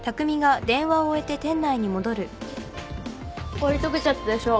氷とけちゃったでしょ。